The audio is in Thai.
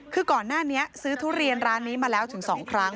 คือก่อนหน้านี้ซื้อทุเรียนร้านนี้มาแล้วถึง๒ครั้ง